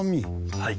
はい。